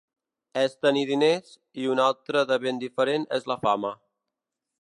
És tenir diners i una altra de ben diferent és la fama.